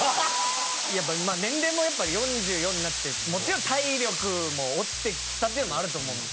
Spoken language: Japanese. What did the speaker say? やっぱ年齢も４４歳になってもちろん体力も落ちて来たっていうのもあると思うんですけど。